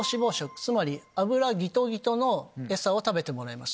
つまり油ギトギトの餌を食べてもらいます。